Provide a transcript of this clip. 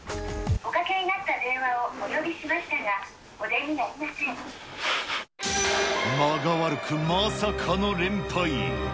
おかけになった電話をお呼び間が悪く、まさかの連敗。